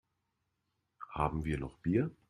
Haben wir noch Bier?